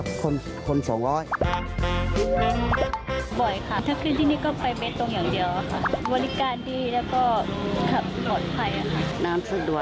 บ่อยค่ะถ้าขึ้นที่นี่ก็ไปเบตตรงอย่างเดียวค่ะ